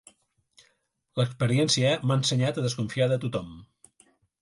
L'experiència m'ha ensenyat a desconfiar de tothom.